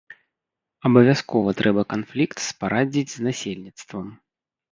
Абавязкова трэба канфлікт спарадзіць з насельніцтвам.